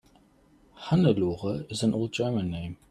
Hannelore is an old German name.